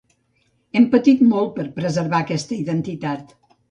Hem patit molt per preservar aquesta identitat.